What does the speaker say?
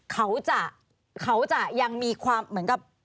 เขาจะยังมีความเหมือนกับ